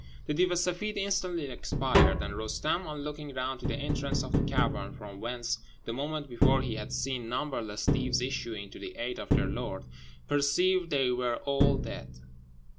The Deev e Seffeed instantly expired; and Roostem, on looking round to the entrance of the cavern, from whence the moment before he had seen numberless Deevs issuing to the aid of their lord, perceived they were all dead.